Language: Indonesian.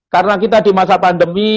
karena kita di masa pandemi